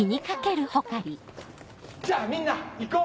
じゃあみんな行こう！